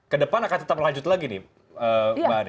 ke depan akan tetap lanjut lagi nih mbak ari